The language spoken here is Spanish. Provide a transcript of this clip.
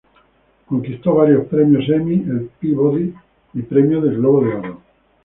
Conquistó varios premios Emmy, el Peabody, y Premios del Globo De Oro.